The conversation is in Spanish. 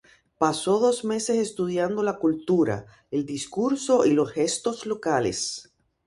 Pasó dos meses estudiando la cultura, el discurso y los gestos locales.